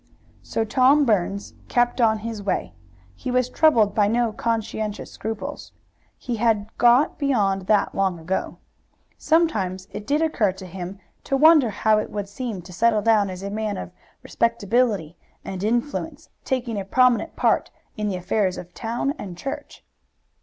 So Tom Burns kept on his way. He was troubled by no conscientious scruples. He had got beyond that long ago. Sometimes it did occur to him to wonder how it would seem to settle down as a man of respectability and influence, taking a prominent part in the affairs of town and church.